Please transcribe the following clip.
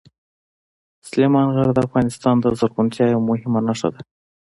سلیمان غر د افغانستان د زرغونتیا یوه مهمه نښه ده.